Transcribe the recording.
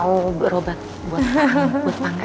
mau berobat buat panggung ya